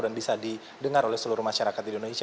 dan bisa didengar oleh seluruh masyarakat di indonesia